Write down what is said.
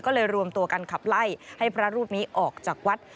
ก็เลยรวมตัวกันขับไล่ให้พระรูปนี้ออกจากวัด